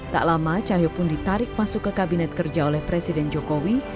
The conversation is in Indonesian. tak lama cahyo pun ditarik masuk ke kabinet kerja oleh presiden jokowi